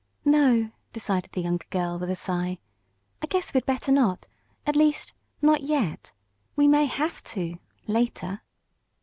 "No," decided the younger girl, with a sigh. "I guess we'd better not. At least not yet. We may have to later."